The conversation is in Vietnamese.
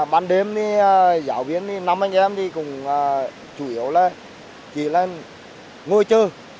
bán đêm thì giáo viên năm anh em thì cũng chủ yếu là ngồi chơi